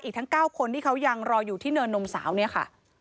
ทั้ง๙คนที่เขายังรออยู่ที่เนินนมสาวเนี่ยค่ะ